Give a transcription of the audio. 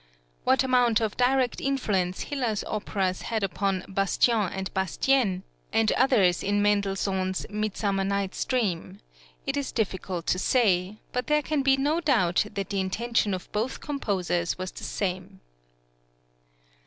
What amount of direct influence Hiller's operas had upon "Bastien and Bastienne" (Op. 30, 5), and others in Mendelssohn's "Midsummer Night's Dream." {MOZART'S "BASTIEN ET BASTIENNE."} (93) it is difficult to say, but there can be no doubt that the intention of both composers was the same.